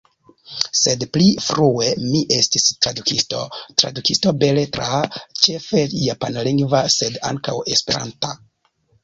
Sed pli frue mi estis tradukisto, tradukisto beletra, ĉefe japanlingva sed ankaŭ esperanta.